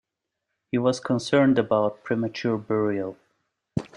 He was concerned about premature burial.